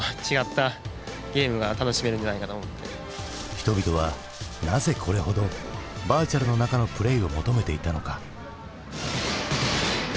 人々はなぜこれほどバーチャルの中のプレイを求めていたのか？